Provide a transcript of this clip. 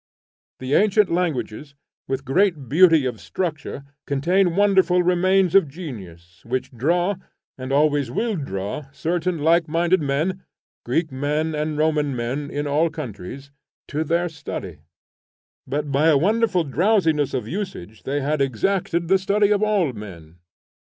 The ancient languages, with great beauty of structure, contain wonderful remains of genius, which draw, and always will draw, certain likeminded men, Greek men, and Roman men, in all countries, to their study; but by a wonderful drowsiness of usage they had exacted the study of all men.